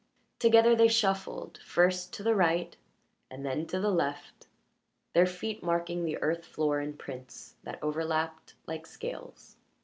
Together they shuffled first to the right and then to the left, their feet marking the earth floor in prints that overlapped like scales.